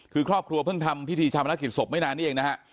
คือครอบครัวเพิ่งทำพิธีชามนักกิจศพไม่นานนี้เองนะฮะ